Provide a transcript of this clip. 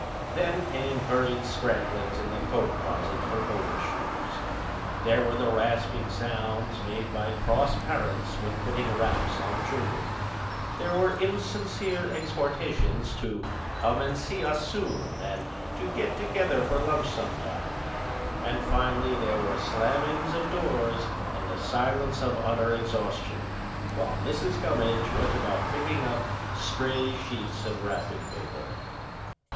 Then came hurried scramblings in the coat closet for over shoes. There were the rasping sounds made by cross parents when putting wraps on children. There were insincere exhortations to "come and see us soon" and to "get together for lunch some time." And, finally, there were slammings of doors and the silence of utter exhaustion, while Mrs. Gummidge went about picking up stray sheets of wrapping paper.